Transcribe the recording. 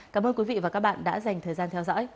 cảm ơn quý vị và các bạn đã dành thời gian theo dõi